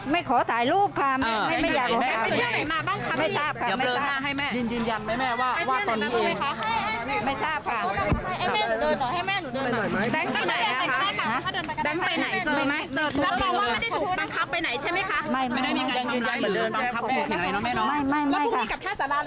ไม่ทราบค่ะไม่ทราบ